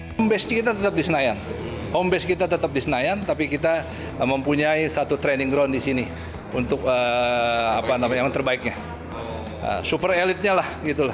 home base kita tetap di senayan tapi kita mempunyai satu training ground di sini untuk yang terbaiknya super elite nya lah